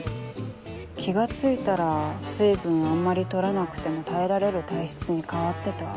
気が付いたら水分をあんまり取らなくても耐えられる体質に変わってた。